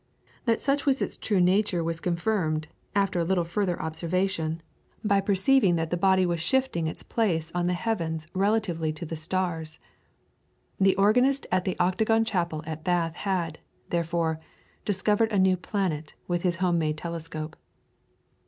That such was its true nature was confirmed, after a little further observation, by perceiving that the body was shifting its place on the heavens relatively to the stars. The organist at the Octagon Chapel at Bath had, therefore, discovered a new planet with his home made telescope.